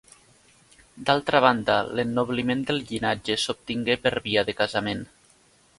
D'altra banda l'ennobliment del llinatge s'obtingué per via de casament.